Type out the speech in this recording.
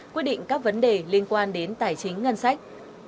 quyết định các vấn đề liên quan đến tài chính ngân sách